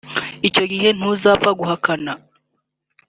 icyo gihe ntuzapfe guhakana